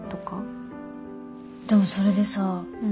でもそれでさ